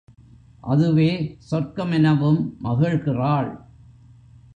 அதுவே சொர்க்கமெனவும் மகிழ்கிறாள்.